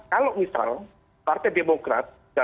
kalau misal partai demokrat